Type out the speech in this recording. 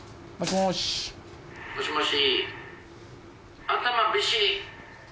もしもし。